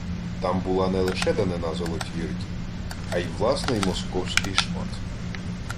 Там була не лише данина Золотій Орді, а й власний московський шмат